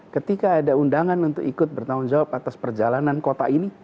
ketika ada undangan untuk ikut bertanggung jawab atas perjalanan kota ini